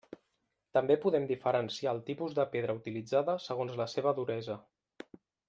També podem diferenciar el tipus de pedra utilitzada segons la seva duresa.